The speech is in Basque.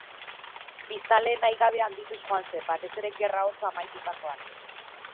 Biztanleen nahigabea handituz joan zen, batez ere Gerra Hotza amaitutakoan.